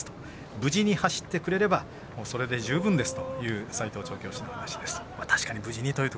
無事に走ってくれればそれで十分ですという斉藤調教師の話です。